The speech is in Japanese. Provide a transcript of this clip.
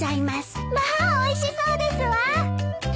まあおいしそうですわ。